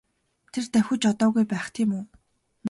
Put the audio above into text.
Тэр давхиж одоогүй байх тийм үү?